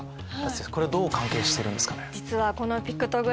これはどう関係してるんですかね？